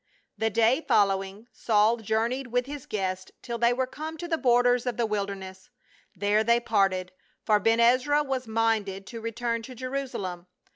The day following Saul journeyed with his guest till they were come to the borders of the wilderness ; there they parted, for Ben Ezra was minded to return to Jerusalem.